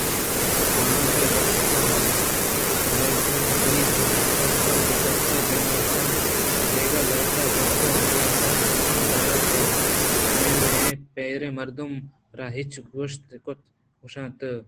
بانک ءَ دست دروازگ ءِ کڑی ءَ داشت ءُوتی گپ دیم ءَ برت اَنت دگہ لہتیں گپ ہم یات بہ دار تو منی وڑیں پیریں مردمے ءَ را ہرچی گوٛشت کُت ءُگوٛشت اِت